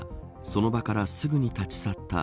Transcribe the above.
その場からすぐに立ち去った。